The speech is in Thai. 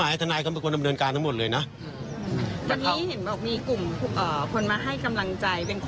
วันนี้เห็นบอกมีกลุ่มคนมาให้กำลังใจเป็นคนมาเจอ